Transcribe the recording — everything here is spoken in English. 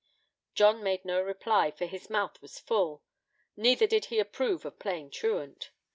John made no reply, for his mouth was full; neither did he approve of playing truant.